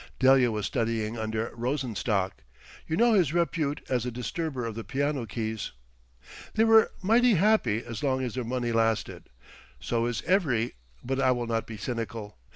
Delia was studying under Rosenstock—you know his repute as a disturber of the piano keys. They were mighty happy as long as their money lasted. So is every—but I will not be cynical.